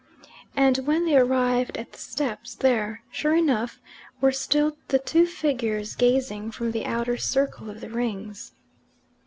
And when they arrived at the steps there, sure enough, were still the two figures gazing from the outer circle of the Rings.